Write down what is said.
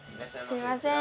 すいません。